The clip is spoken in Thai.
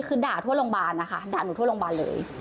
คือด่าทั่วโรงพยาบาลนะคะด่าหนูทั่วโรงพยาบาลเลย